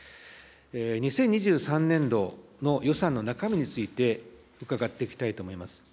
２０２３年度の予算の中身について伺っていきたいと思います。